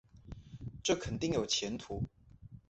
这肯定有前途